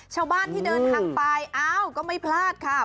ชาวบ้านที่เดินทางไปอ้าวก็ไม่พลาดค่ะ